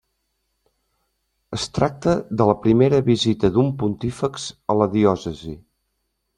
Es tracta de la primera visita d'un Pontífex a la diòcesi.